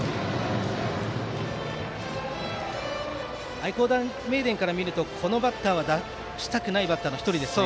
愛工大名電から見るとこのバッターは出したくないバッターの１人ですね。